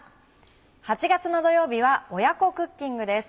８月の土曜日は親子クッキングです。